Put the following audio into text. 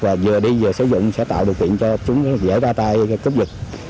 và vừa đi vừa sử dụng sẽ tạo điều kiện cho chúng dễ ra tay cướp dịch